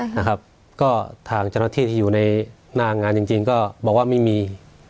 นะครับก็ทางเจ้าหน้าที่ที่อยู่ในหน้างานจริงจริงก็บอกว่าไม่มี